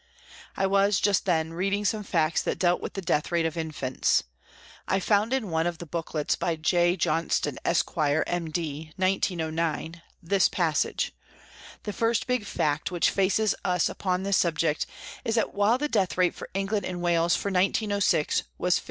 I was, just then, reading some facts that dealt with the death rate of infants. I found in one of the booklets by J. Johnston, Esq., M.D., 1909, this passage :" The first big fact which faces us upon this subject is that while the death rate for England and Wales for 1906 was 15.